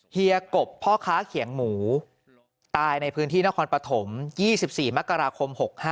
เฮียกบพ่อค้าเขียงหมูตายในพื้นที่นครปฐม๒๔มกราคม๖๕